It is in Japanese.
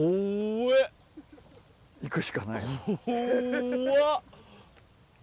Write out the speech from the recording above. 行くしかない。